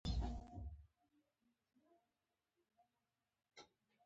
د وزن پورته کول ډېر زور غواړي.